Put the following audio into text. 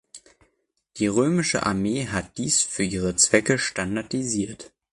Die römische Armee hat dies für ihre Zwecke standardisiert.